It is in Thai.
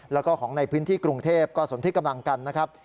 แล้วก็ของในพื้นที่กรุงเทพก็สนที่กำลังกันนะครับ